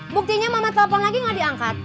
buktinya mama telepon lagi gak diangkat